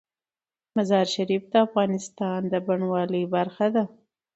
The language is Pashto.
مزارشریف د افغانستان د بڼوالۍ برخه ده.